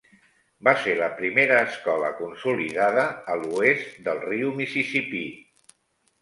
Va ser la primera escola consolidada a l'oest del riu Mississippi.